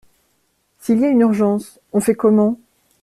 S’il y a une urgence, on fait comment?